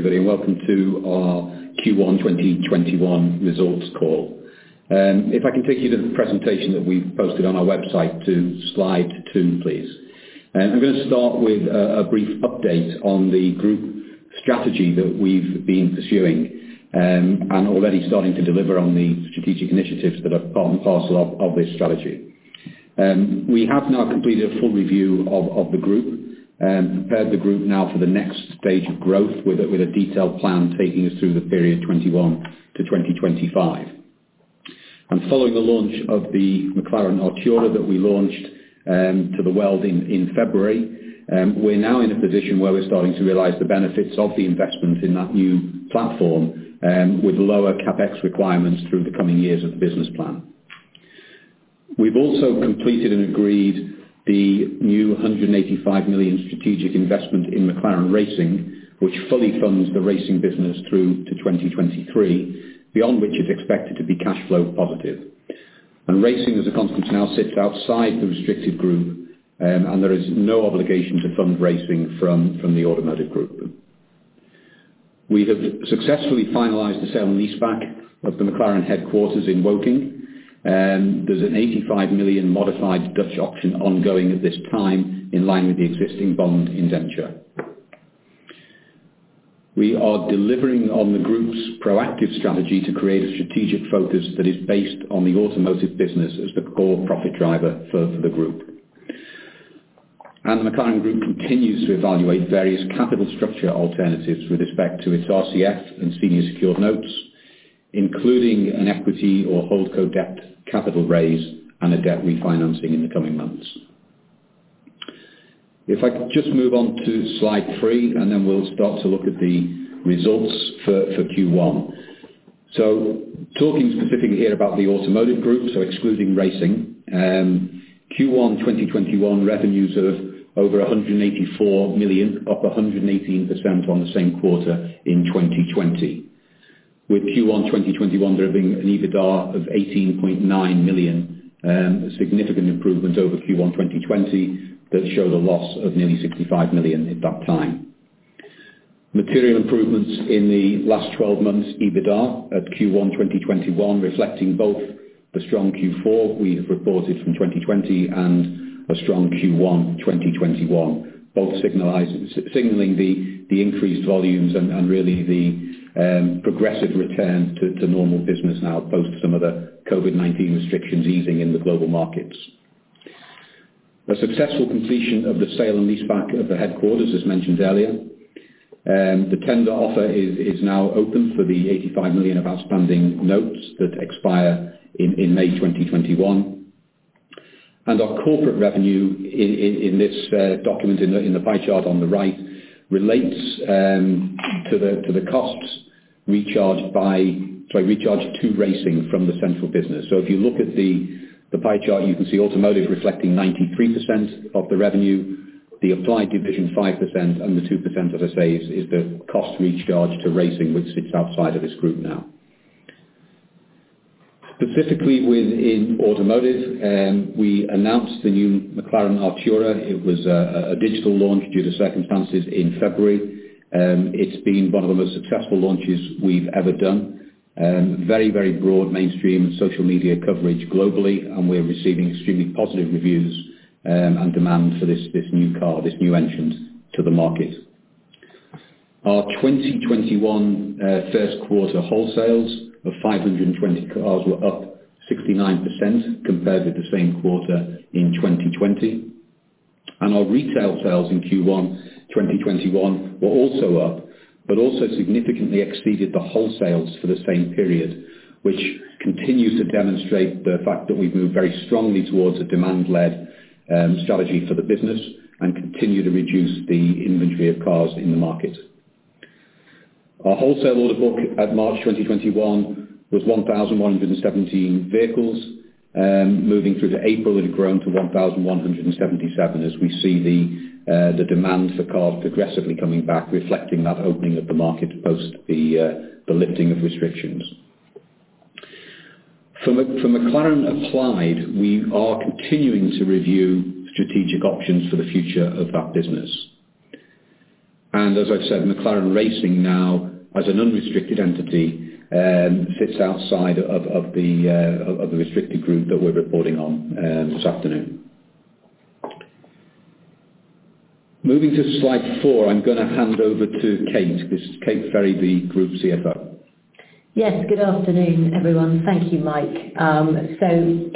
Everybody, welcome to our Q1 2021 results call. If I can take you to the presentation that we've posted on our website to slide two, please. I'm going to start with a brief update on the group strategy that we've been pursuing and are already starting to deliver on the strategic initiatives that are parcel of this strategy. We have now completed a full review of the group and prepared the group now for the next stage of growth, with a detailed plan taking us through the period 2021 to 2025. Following the launch of the McLaren Artura that we launched to the world in February, we're now in a position where we're starting to realize the benefits of the investment in that new platform, with lower CapEx requirements through the coming years of the business plan. We've also completed and agreed the new 185 million strategic investment in McLaren Racing, which fully funds the racing business through to 2023, beyond which it's expected to be cash flow positive. Racing, as a consequence, now sits outside the restricted group, and there is no obligation to fund racing from the automotive group. We have successfully finalized the sale and leaseback of the McLaren headquarters in Woking. There's an 85 million modified Dutch auction ongoing at this time, in line with the existing bond indenture. We are delivering on the group's proactive strategy to create a strategic focus that is based on the automotive business as the core profit driver for the group. The McLaren Group continues to evaluate various capital structure alternatives with respect to its RCF and senior secured notes, including an equity or holdco debt capital raise and a debt refinancing in the coming months. If I could just move on to slide three, and then we'll start to look at the results for Q1. Talking specifically here about the automotive group, excluding racing, Q1 2021 revenues of over 184 million, up 118% on the same quarter in 2020. With Q1 2021, there being an EBITDA of 18.9 million, a significant improvement over Q1 2020 that showed a loss of nearly 65 million at that time. Material improvements in the last 12 months EBITDA at Q1 2021, reflecting both the strong Q4 we have reported from 2020 and a strong Q1 2021, both signaling the increased volumes and really the progressive return to normal business now post some of the COVID-19 restrictions easing in the global markets. The successful completion of the sale and leaseback of the headquarters, as mentioned earlier. The tender offer is now open for the 85 million of outstanding notes that expire in May 2021. Our corporate revenue in this document in the pie chart on the right relates to the costs recharged to racing from the central business. If you look at the pie chart, you can see automotive reflecting 93% of the revenue, the Applied division 5%, and the 2%, as I say, is the cost recharged to racing, which sits outside of this group now. Specifically within automotive, we announced the new McLaren Artura. It was a digital launch due to circumstances in February. It's been one of the most successful launches we've ever done. Very broad mainstream and social media coverage globally, we're receiving extremely positive reviews and demand for this new car, this new entrance to the market. Our 2021 first quarter wholesales of 520 cars were up 69% compared with the same quarter in 2020. Our retail sales in Q1 2021 were also up, also significantly exceeded the wholesales for the same period, which continues to demonstrate the fact that we've moved very strongly towards a demand-led strategy for the business and continue to reduce the inventory of cars in the market. Our wholesale order book at March 2021 was 1,117 vehicles. Moving through to April, it had grown to 1,177 as we see the demand for cars progressively coming back, reflecting that opening of the market post the lifting of restrictions. For McLaren Applied, we are continuing to review strategic options for the future of that business. As I've said, McLaren Racing now, as an unrestricted entity, sits outside of the restricted group that we're reporting on this afternoon. Moving to slide four, I'm going to hand over to Kate. This is Kate Ferry, the Group CFO. Yes. Good afternoon, everyone. Thank you, Mike.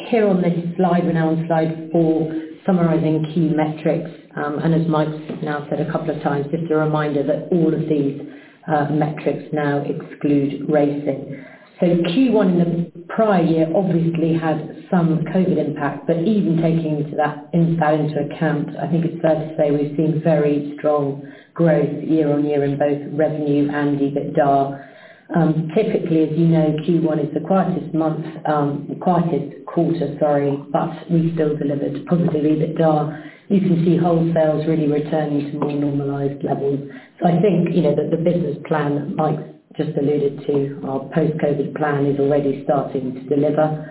Here on this slide, we're now on slide four summarizing key metrics. As Mike's now said a couple of times, just a reminder that all of these metrics now exclude racing. Q1 in the prior year obviously had some COVID-19 impact, but even taking that insight into account, I think it's fair to say we've seen very strong growth year-on-year in both revenue and EBITDA. Typically, as you know, Q1 is the quietest quarter, but we still delivered positive EBITDA. You can see wholesales really returning to more normalized levels. I think that the business plan Mike just alluded to, our post-COVID-19 plan, is already starting to deliver.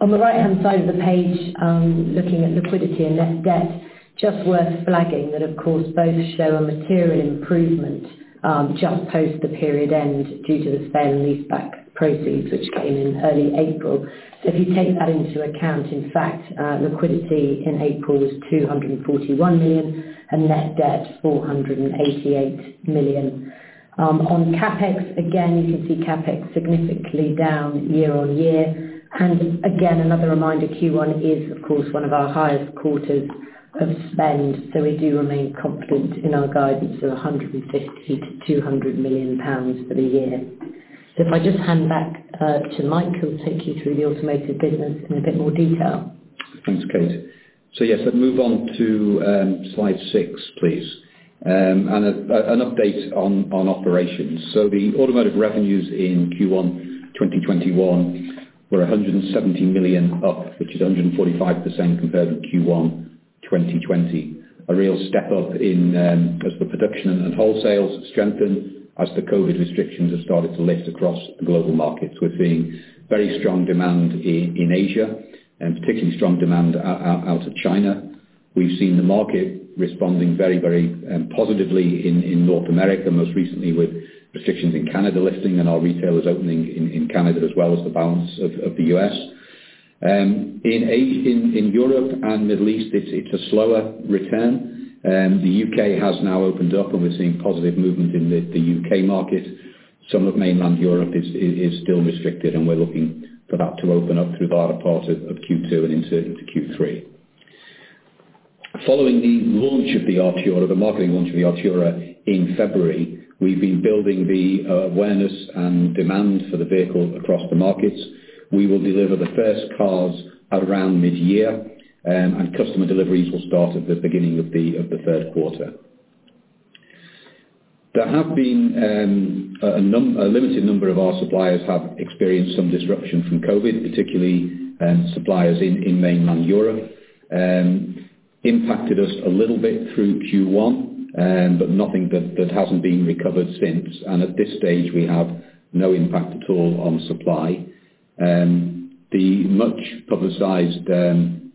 On the right-hand side of the page, looking at liquidity and net debt, just worth flagging that, of course, both show a material improvement just post the period end due to the [Spent] leaseback proceeds, which came in early April. If you take that into account, in fact, liquidity in April was 241 million and net debt 488 million. On CapEx, again, you can see CapEx significantly down year-over-year. Again, another reminder, Q1 is, of course, one of our highest quarters of spend, so we do remain confident in our guidance of 150 million-200 million pounds for the year. If I just hand back to Mike, who will take you through the automotive business in a bit more detail. Thanks, Kate. Yes, move on to slide six, please. An update on operations. The automotive revenues in Q1 2021 were 117 million up, which is 145% compared to Q1 2020. A real step up in production and wholesales strengthened as the COVID-19 restrictions have started to lift across the global markets. We're seeing very strong demand in Asia and particularly strong demand out of China. We've seen the market responding very, very positively in North America, most recently with restrictions in Canada lifting and our retailers opening in Canada as well as the balance of the U.S. In Europe and Middle East, it's a slower return. The U.K. has now opened up, and we're seeing positive movement in the U.K. market. Some of mainland Europe is still restricted, and we're looking for that to open up through the latter part of Q2 and into Q3. Following the launch of the Artura, the marketing launch of the Artura in February, we've been building the awareness and demand for the vehicle across the markets. We will deliver the first cars around mid-year, and customer deliveries will start at the beginning of the third quarter. There have been a limited number of our suppliers have experienced some disruption from COVID, particularly suppliers in mainland Europe. Impacted us a little bit through Q1, but nothing that hasn't been recovered since. At this stage, we have no impact at all on supply. The much-publicized concerns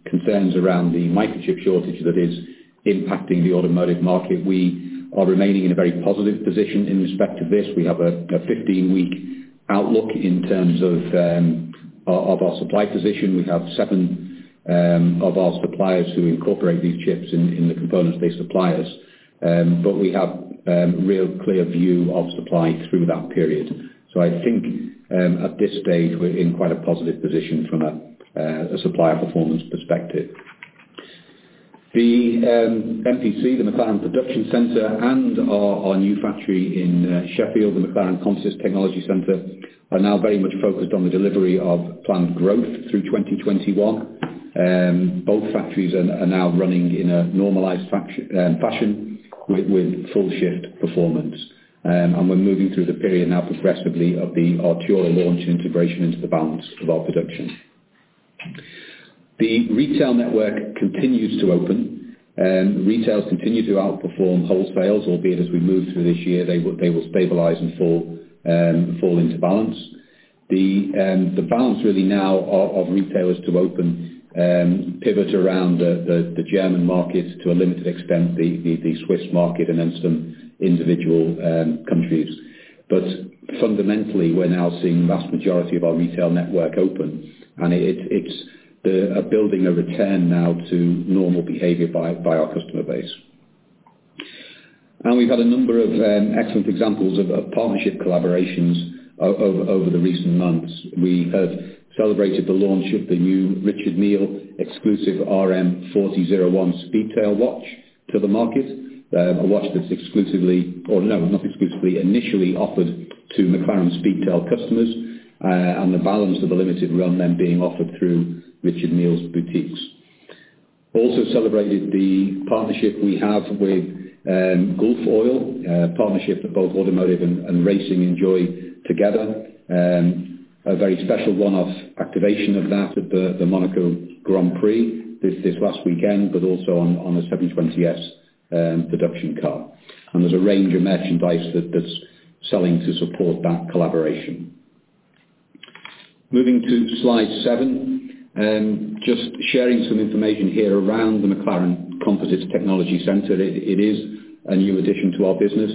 around the microchip shortage that is impacting the automotive market, we are remaining in a very positive position in respect to this. We have a 15-week outlook in terms of our supply position. We have seven of our suppliers who incorporate these chips in the components they supply us, but we have real clear view of supply through that period. I think, at this stage, we're in quite a positive position from a supply performance perspective. The MPC, the McLaren Production Centre, and our new factory in Sheffield, the McLaren Composites Technology Centre, are now very much focused on the delivery of planned growth through 2021. Both factories are now running in a normalized fashion with full shift performance. We're moving through the period now progressively of the Artura launch integration into the balance of our production. The retail network continues to open. Retail continue to outperform wholesales, albeit as we move through this year, they will stabilize and fall into balance. The balance really now of retailers to open pivots around the German market, to a limited extent, the Swiss market, and then some individual countries. Fundamentally, we're now seeing the vast majority of our retail network open, and it's building a return now to normal behavior by our customer base. We've had a number of excellent examples of partnership collaborations over the recent months. We have celebrated the launch of the new Richard Mille exclusive RM 40-01 Speedtail watch to the market. A watch that's exclusively, or no, not exclusively, initially offered to McLaren Speedtail customers, and the balance of the limited run then being offered through Richard Mille's boutiques. Celebrated the partnership we have with Gulf Oil, a partnership that both automotive and racing enjoy together. A very special one-off activation of that at the Monaco Grand Prix this last weekend, but also on the 720S production car. There's a range of merchandise that's selling to support that collaboration. Moving to slide seven, just sharing some information here around the McLaren Composites Technology Center. It is a new addition to our business.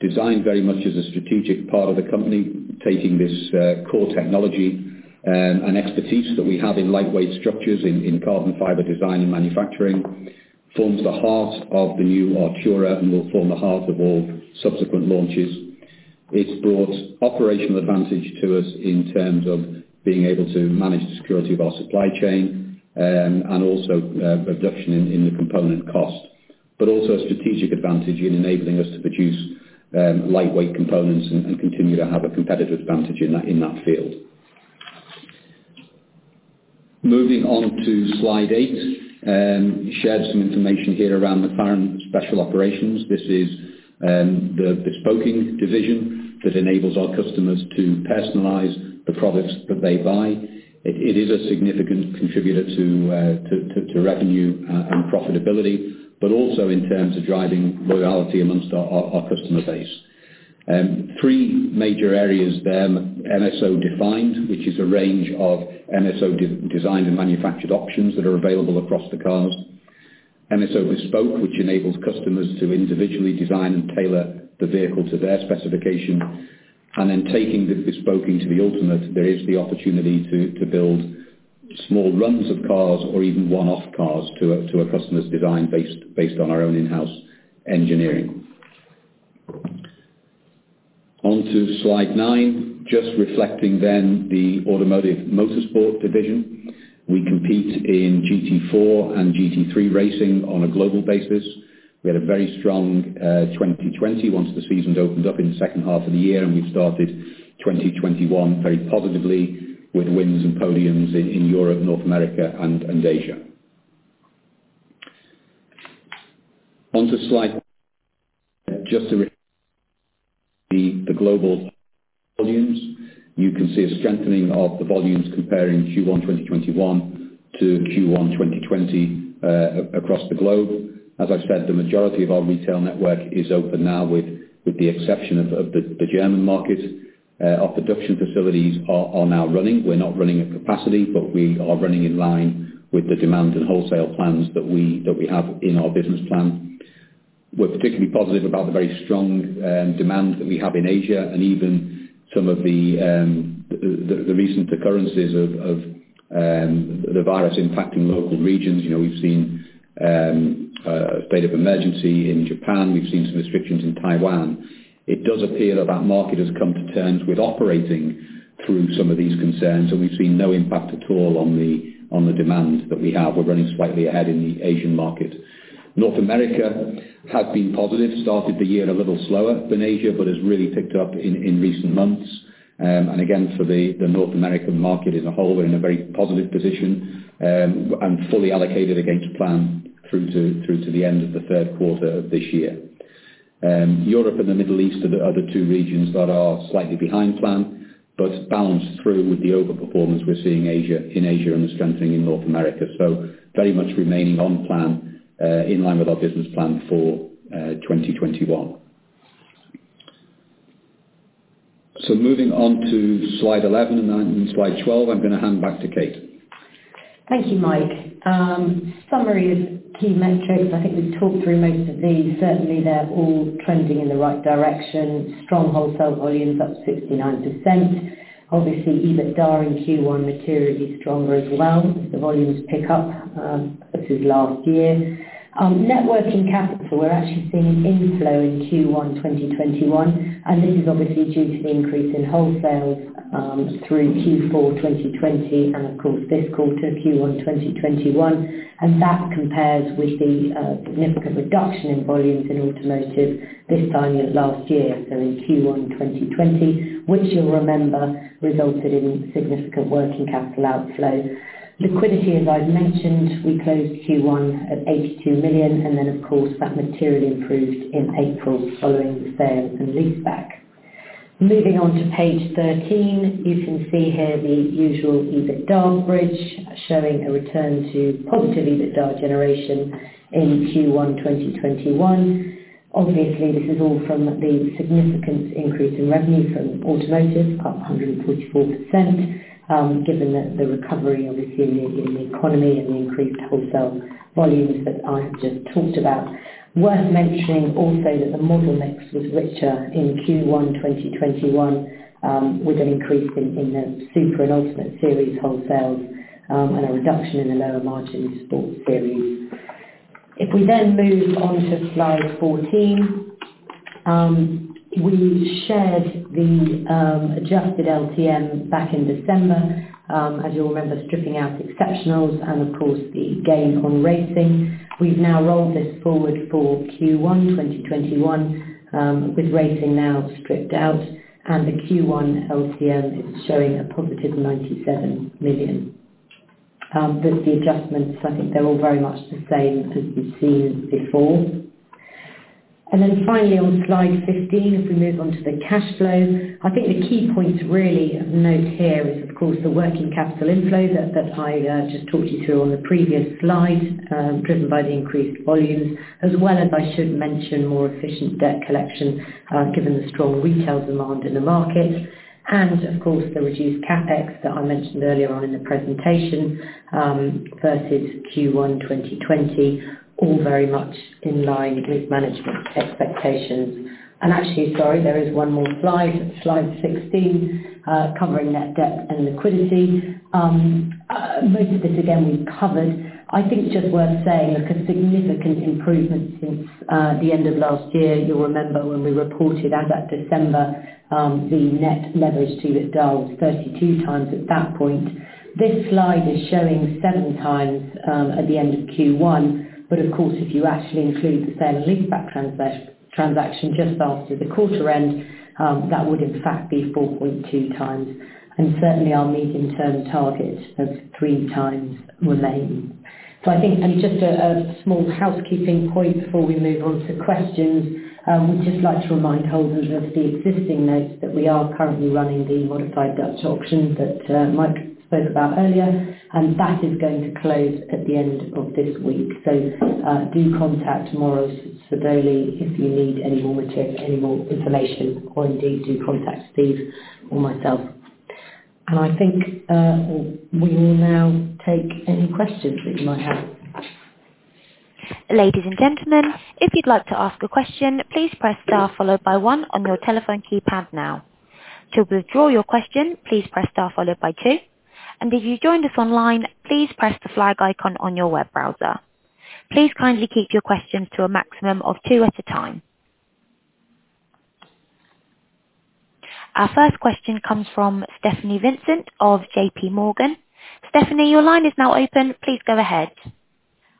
Designed very much as a strategic part of the company, taking this core technology and expertise that we have in lightweight structures, in carbon fiber design and manufacturing, forms the heart of the new Artura and will form the heart of all subsequent launches. It's brought operational advantage to us in terms of being able to manage the security of our supply chain and also a reduction in the component cost, but also a strategic advantage in enabling us to produce lightweight components and continue to have a competitive advantage in that field. Moving on to slide eight, share some information here around McLaren Special Operations. This is the bespoking division that enables our customers to personalize the products that they buy. It is a significant contributor to revenue and profitability, also in terms of driving loyalty amongst our customer base. Three major areas MSO defines, which is a range of MSO designed and manufactured options that are available across the cars. MSO Bespoke, which enables customers to individually design and tailor the vehicle to their specification. Taking the Bespoke into the Ultimate, there is the opportunity to build small runs of cars or even one-off cars to a customer's design based on our own in-house engineering. Onto slide nine, just reflecting the automotive motorsport division. We compete in GT4 and GT3 racing on a global basis. We had a very strong 2020 once the season opened up in the second half of the year, and we started 2021 very positively with wins and podiums in Europe, North America, and Asia. The global volumes. You can see a strengthening of the volumes comparing Q1 2021 to Q1 2020 across the globe. As I said, the majority of our retail network is open now, with the exception of the German market. Our production facilities are now running. We're not running at capacity, but we are running in line with the demand and wholesale plans that we have in our business plan. We're particularly positive about the very strong demand that we have in Asia and even some of the recent occurrences of the virus impacting local regions. We've seen a state of emergency in Japan, we've seen some restrictions in Taiwan. It does appear that market has come to terms with operating through some of these concerns, and we've seen no impact at all on the demand that we have. We're running slightly ahead in the Asian market. North America has been positive, started the year a little slower than Asia, has really picked up in recent months. Again, for the North American market as a whole, we're in a very positive position, and fully allocated against plan through to the end of the third quarter of this year. Europe and the Middle East are the other two regions that are slightly behind plan, balanced through with the overperformance we're seeing in Asia and the strengthening in North America. Very much remaining on plan, in line with our business plan for 2021. Moving on to slide 11 and slide 12, I am going to hand back to Kate. Thank you, Mike. Summary of key metrics. I think we've talked through most of these. Certainly, they're all trending in the right direction. Strong wholesale volumes, up 69%. EBITDA in Q1 materially stronger as well. The volumes pick up versus last year. Net working capital, we're actually seeing an inflow in Q1 2021, and this is obviously due to the increase in wholesales through Q4 2020 and of course, this quarter, Q1 2021, and that compares with the significant reduction in volumes in Automotive this time last year. In Q1 2020, which you'll remember, resulted in significant working capital outflow. Liquidity, as I mentioned, we closed Q1 at 82 million, and then, of course, that materially improved in April following the sale from leaseback. Moving on to page 13. You can see here the usual EBITDA bridge, showing a return to positive EBITDA generation in Q1 2021. Obviously, this is all from the significant increase in revenue from Automotive, up 124%, given that the recovery, obviously, in the economy and the increased wholesale volumes that I've just talked about. Worth mentioning also that the model mix was richer in Q1 2021, with an increase in the Super and Ultimate Series wholesales and a reduction in the lower margin Sports Series. We then move on to slide 14, we shared the adjusted LTM back in December. As you'll remember, stripping out exceptionals and of course, the gain on racing. We've now rolled this forward for Q1 2021, with rating now stripped out, and the Q1 LTM is showing a positive 97 million. With the adjustments, I think they're all very much the same as we've seen before. Finally, on slide 15, as we move on to the cash flow. I think the key point to really note here is, of course, the working capital inflow that I just talked you through on the previous slide, driven by the increased volumes, as well as I should mention, more efficient debt collection, given the strong retail demand in the market. Of course, the reduced CapEx that I mentioned earlier on in the presentation versus Q1 2020, all very much in line with management's expectations. Actually, sorry, there is one more slide 16, covering net debt and liquidity. Most of it, again, we've covered. I think just worth saying, a significant improvement since the end of last year. You'll remember when we reported out at December, the net leverage to EBITDA was 32x at that point. This slide is showing 7x at the end of Q1. Of course, if you actually include the sale and leaseback transaction just after the quarter end, that would in fact be 4.2x. Certainly, our medium-term target of 3x remains. I think just a small housekeeping point before we move on to questions. We'd just like to remind holders of the existing notes that we are currently running the modified Dutch auction that Mike spoke about earlier, and that is going to close at the end of this week. Do contact Maurice or Bailey if you need any more information, or indeed, do contact Steve or myself. I think we will now take any questions that you might have. Please kindly keep your questions to a maximum of two at a time. Our first question comes from Stephanie Vincent of JPMorgan. Stephanie, your line is now open. Please go ahead.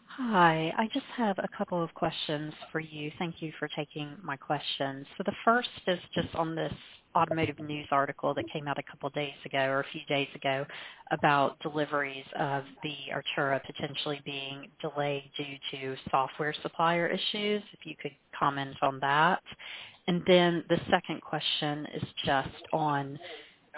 Hi. I just have a couple of questions for you. Thank you for taking my questions. The first is just on this Automotive News article that came out a couple of days ago or a few days ago about deliveries of the Artura potentially being delayed due to software supplier issues. If you could comment on that. The second question is just on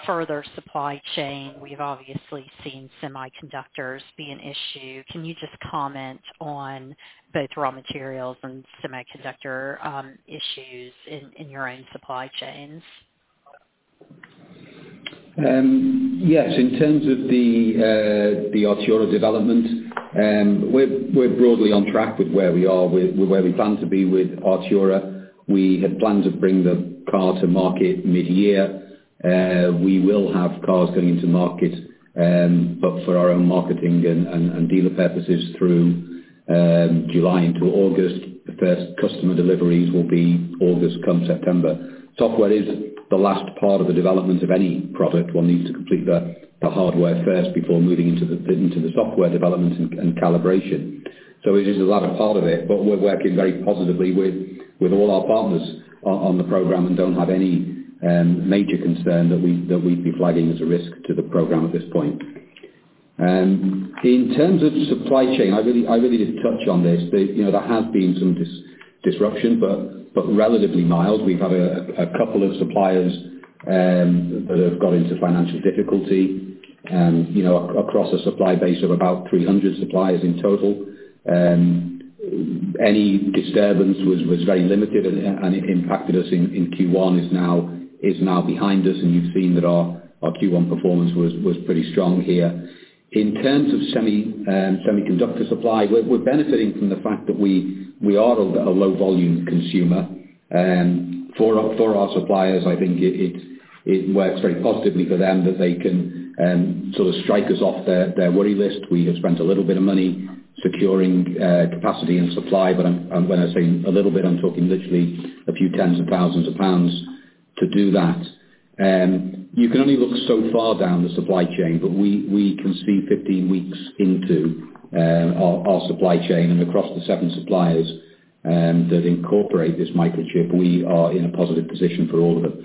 further supply chain. We've obviously seen semiconductors be an issue. Can you just comment on both raw materials and semiconductor issues in your own supply chains? Yes. In terms of the Artura development, we're broadly on track with where we are, with where we plan to be with Artura. We had planned to bring the car to market mid-year. We will have cars going into market, but for our own marketing and dealer purposes, through July into August. The first customer deliveries will be August come September. Software is the last part of the development of any product. One needs to complete the hardware first before moving into the software development and calibration. It is the latter part of it. We're working very positively with all our partners on the program and don't have any major concern that we'd be flagging as a risk to the program at this point. In terms of supply chain, I really did touch on this. There have been some disruption, but relatively mild. We've had a couple of suppliers that have got into financial difficulty. Across a supply base of about 300 suppliers in total, any disturbance was very limited, and it impacted us in Q1 is now behind us. You've seen that our Q1 performance was pretty strong here. In terms of semiconductor supply, we're benefiting from the fact that we are a low volume consumer. For our suppliers, I think it works very positively for them that they can sort of strike us off their worry list. We have spent a little bit of money securing capacity and supply, but when I say a little bit, I'm talking literally a few tens of thousands of GBP to do that. You can only look so far down the supply chain, but we can see 15 weeks into our supply chain and across the seven suppliers that incorporate this microchip, we are in a positive position for all of them.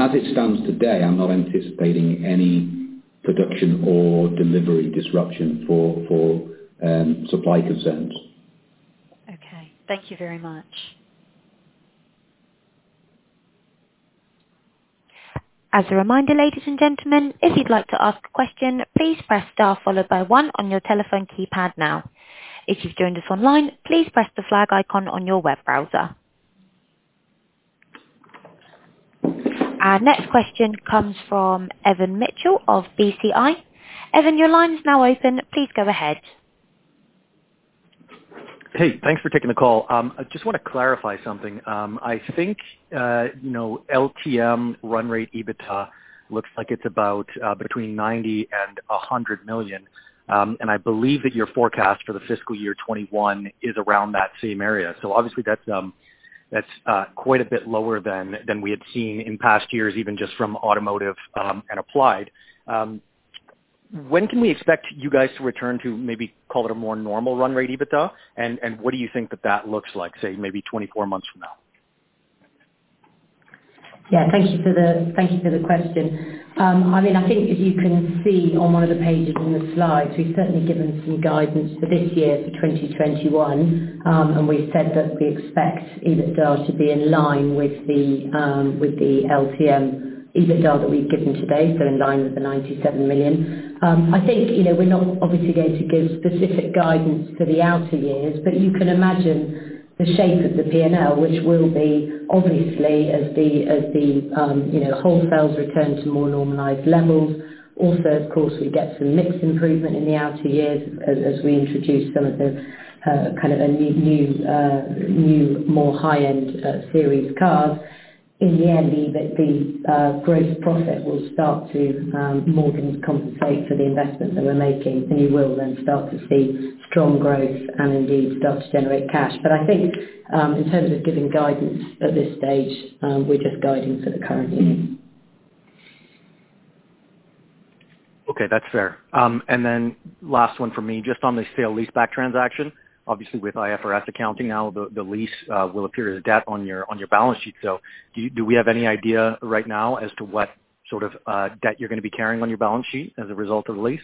As it stands today, I'm not anticipating any production or delivery disruption for supply concerns. Okay. Thank you very much. Our next question comes from Evan Mitchell of BCI. Evan, your line is now open. Please go ahead. Hey, thanks for taking the call. I just want to clarify something. I think LTM run rate EBITDA looks like it's about between 90 million and 100 million, and I believe that your forecast for the fiscal year 2021 is around that same area. Obviously that's quite a bit lower than we had seen in past years, even just from McLaren Automotive and McLaren Applied. When can we expect you guys to return to maybe call it a more normal run rate EBITDA? What do you think that that looks like, say, maybe 24 months from now? Yeah, thank you for the question. I think as you can see on one of the pages in the slides, we've certainly given some guidance for this year for 2021. We've said that we expect EBITDA to be in line with the LTM EBITDA that we've given today. In line with the 97 million. I think we're not obviously going to give specific guidance for the outer years, but you can imagine the shape of the P&L, which will be obviously as the wholesales return to more normalized levels. Of course, we get some mix improvement in the outer years as we introduce some of the new more high-end series cars. In the end, the gross profit will start to more than compensate for the investment that we're making, and you will then start to see strong growth and indeed start to generate cash. I think in terms of giving guidance at this stage, we're just guiding for the current year. Okay, that's fair. Last one for me, just on the sale leaseback transaction. Obviously with IFRS accounting now, the lease will appear as a debt on your balance sheet. Do we have any idea right now as to what sort of debt you're going to be carrying on your balance sheet as a result of the lease?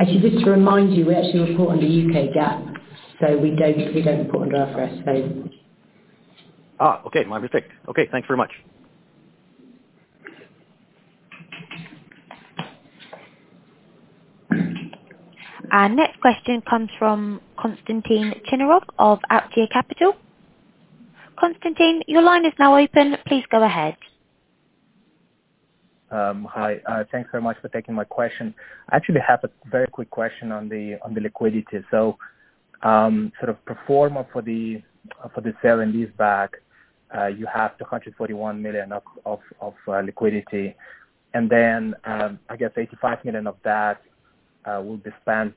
Actually, just to remind you, we actually report under U.K. GAAP. We don't report under IFRS. Okay. My mistake. Okay. Thanks very much. Our next question comes from Konstantin Chinarov of Aptior Capital. Konstantin, your line is now open. Please go ahead. Hi. Thanks very much for taking my question. I actually have a very quick question on the liquidity. Sort of pro forma for the sale and leaseback, you have 241 million of liquidity, and then I guess 85 million of that will be spent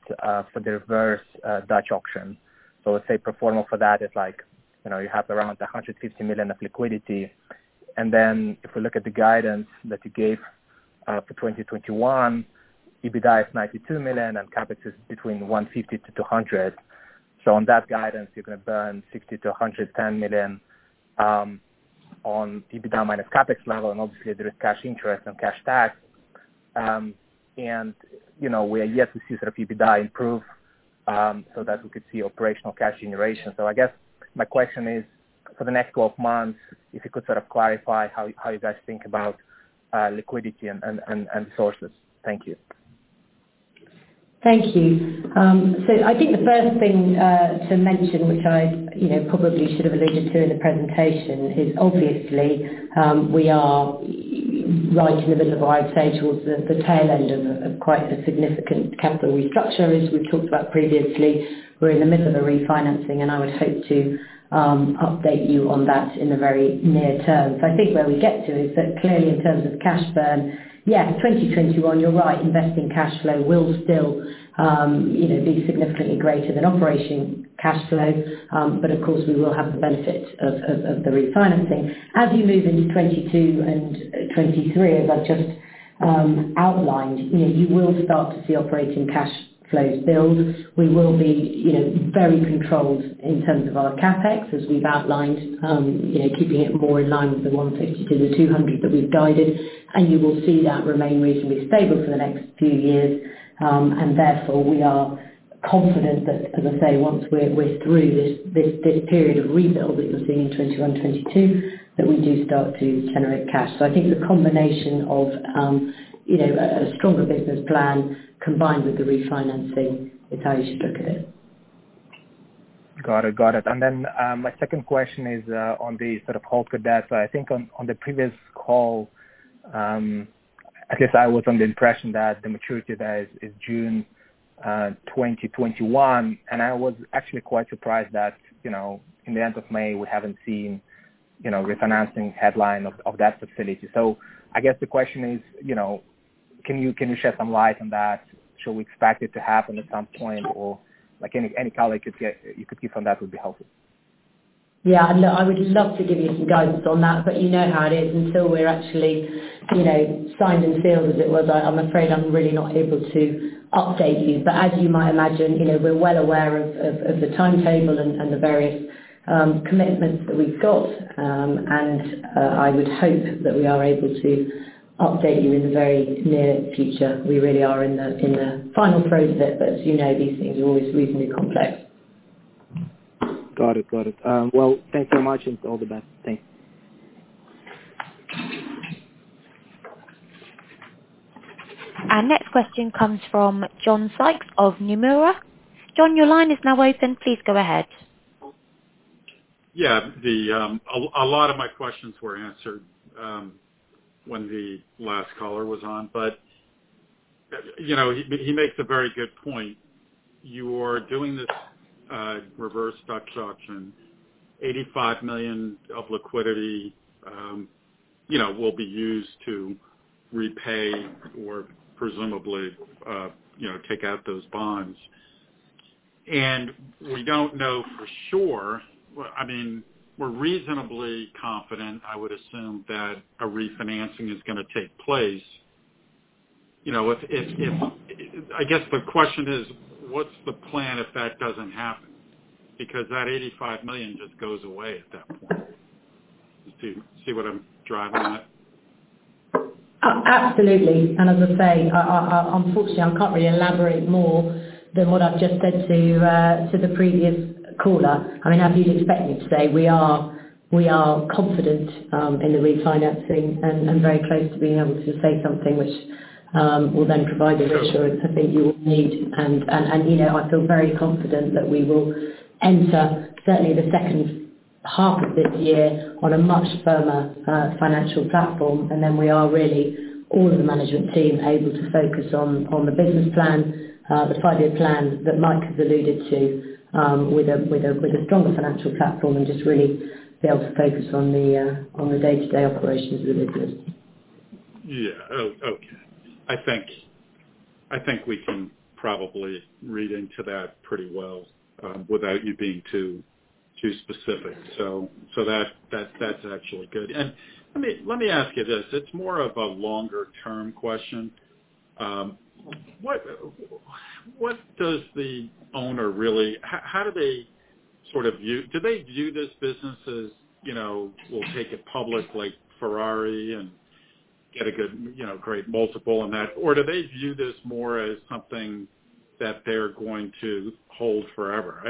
for the reverse Dutch auction. Let's say pro forma for that is like, you have around 150 million of liquidity, then if we look at the guidance that you gave for 2021, EBITDA is 92 million and CapEx is between 150 million-200 million. On that guidance, you're going to burn 60 million-110 million on EBITDA minus CapEx level, and obviously there is cash interest and cash tax. We are yet to see sort of EBITDA improve, so that we could see operational cash generation. I guess my question is, for the next 12 months, if you could sort of clarify how you guys think about liquidity and sources. Thank you. Thank you. I think the first thing to mention, which I probably should have alluded to in the presentation, is obviously we are right in the middle of, I would say, towards the tail end of quite a significant capital restructure, as we talked about previously. We are in the middle of a refinancing, and I would hope to update you on that in the very near term. I think where we get to is that clearly in terms of cash burn, yeah, 2021, you are right, investing cash flow will still be significantly greater than operating cash flow. Of course, we will have the benefit of the refinancing. As you move into 2022 and 2023, as I have just outlined, you will start to see operating cash flows build. We will be very controlled in terms of our CapEx, as we've outlined, keeping it more in line with the 150 to the 200 that we've guided. You will see that remain reasonably stable for the next few years. Therefore, we are confident that, as I say, once we're through this period of rebuild that you're seeing in 2021, 2022, that we do start to generate cash. I think the combination of a stronger business plan combined with the refinancing is how you should look at it. Got it. My second question is on the sort of holdco debt. I think on the previous call, I guess I was under the impression that the maturity there is June 2021, and I was actually quite surprised that in the end of May, we haven't seen refinancing headline of that facility. I guess the question is, can you shed some light on that? Should we expect it to happen at some point? Any color you could give on that would be helpful. Yeah, I would love to give you some guidance on that, but you know how it is. Until we're actually signed and sealed, as it were, I'm afraid I'm really not able to update you. As you might imagine, we're well aware of the timetable and the various commitments that we've got, and I would hope that we are able to update you in the very near future. We really are in the final throes of it, but as you know, these things are always reasonably complex. Got it. Well, thanks so much, and all the best. Thanks. Our next question comes from John Sykes of Nomura. John, your line is now open. Please go ahead. Yeah. A lot of my questions were answered when the last caller was on, but he makes a very good point. You are doing this reverse Dutch auction, 85 million of liquidity will be used to repay or presumably take out those bonds. We don't know for sure, I mean, we're reasonably confident, I would assume, that a refinancing is going to take place. I guess the question is, what's the plan if that doesn't happen? That 85 million just goes away at that point. Do you see what I'm driving at? Absolutely. As I say, unfortunately, I can't really elaborate more than what I've just said to the previous caller. I mean, as you'd expect me to say, we are confident in the refinancing and very close to being able to say something which will then provide the reassurance I think you all need. I feel very confident that we will enter certainly the second half of this year on a much firmer financial platform. Then we are really, all of the management team, able to focus on the business plan, the five-year plan that Mike has alluded to with a stronger financial platform and just really be able to focus on the day-to-day operations really good. Yeah. Okay. I think we can probably read into that pretty well without you being too specific. That's actually good. Let me ask you this, it's more of a longer-term question. Do they view this business as, we'll take it public like Ferrari and get a good great multiple on that? Do they view this more as something that they're going to hold forever?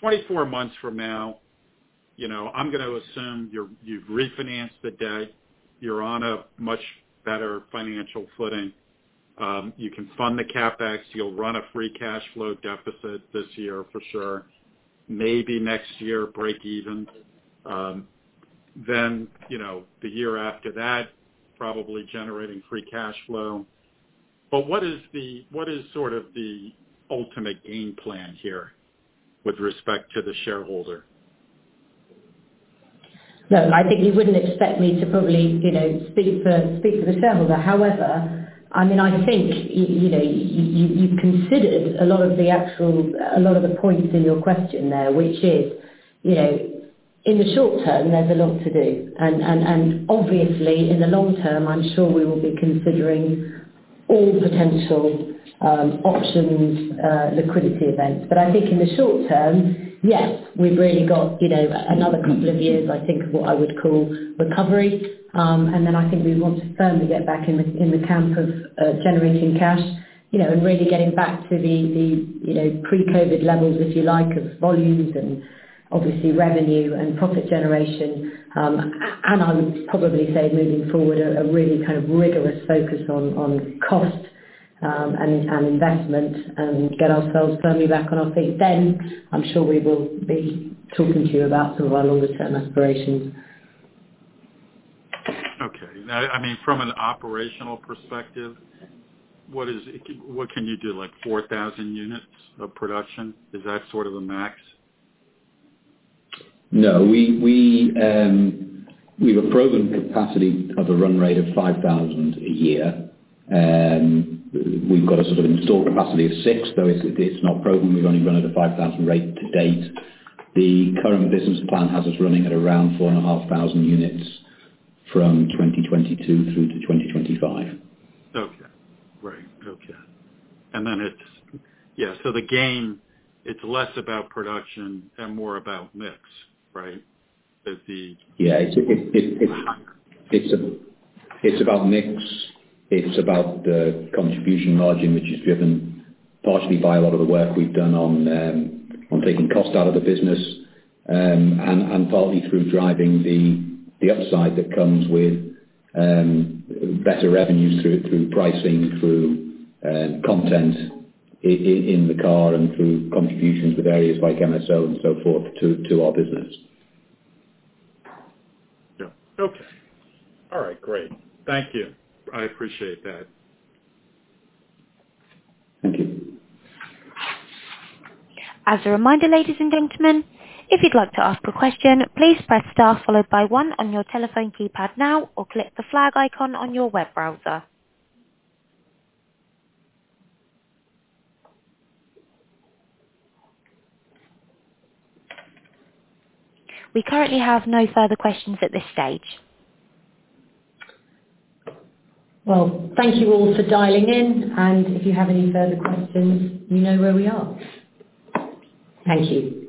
24 months from now I'm going to assume you've refinanced the debt. You're on a much better financial footing. You can fund the CapEx. You'll run a free cash flow deficit this year for sure. Maybe next year, break even. The year after that, probably generating free cash flow. What is the ultimate game plan here with respect to the shareholder? Look, I think you wouldn't expect me to probably speak for the shareholder. However, I think you considered a lot of the points in your question there, which is, in the short term, there's a lot to do. Obviously, in the long term, I'm sure we will be considering all potential options, liquidity events. I think in the short term, yes, we've really got another couple of years, I think, of what I would call recovery. I think we want to firmly get back in the camp of generating cash and really getting back to the pre-COVID-19 levels, if you like, of volumes and obviously revenue and profit generation. I would probably say, moving forward, a really kind of rigorous focus on cost and investment and get ourselves firmly back on our feet. I'm sure we will be talking to you about some of our longer term aspirations. From an operational perspective, what can you do? Like 4,000 units of production? Is that sort of the max? No. We've a proven capacity of a run rate of 5,000 a year. We've got a sort of installed capacity of six, though it's not proven, we've only run at a 5,000 rate to date. The current business plan has us running at around 4,500 units from 2022 through to 2025. Okay. Great. Okay. The game, it's less about production and more about mix, right? Yeah. It's about mix. It's about the contribution margin, which is driven partially by a lot of the work we've done on taking cost out of the business. Partly through driving the upside that comes with better revenues through pricing, through content in the car, and through contributions with areas MSO and so forth to our business. Yeah. Okay. All right. Great. Thank you. I appreciate that. Thank you. As a reminder, ladies and gentlemen, if you'd like to ask a question, please press star followed by one on your telephone keypad now, or click the flag icon on your web browser. We currently have no further questions at this stage. Well, thank you all for dialing in. If you have any further questions, you know where we are. Thank you.